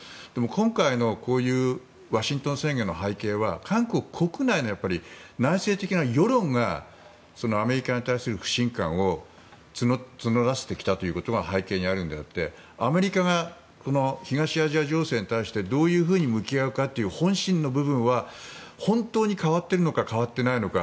今回のこういうワシントン宣言の背景は韓国国内の内政的な世論がアメリカに対する不信感を募らせてきたことが背景にあるのであってアメリカが東アジア情勢に対してどういうふうに向き合うかという本心の部分は本当に変わっているのか変わっていないのか。